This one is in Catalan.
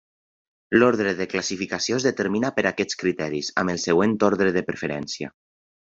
L'ordre de classificació es determina per aquests criteris, amb el següent ordre de preferència.